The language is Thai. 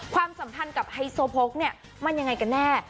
ความสัมพันธ์กับไฮโซโพกเนี่ยมันยังไงกันแน่